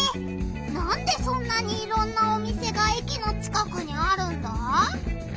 なんでそんなにいろんなお店が駅の近くにあるんだ？